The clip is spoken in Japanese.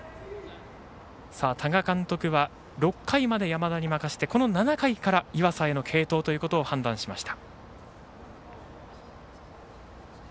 多賀監督は６回まで山田に任せてこの７回から岩佐への継投ということを判断しました。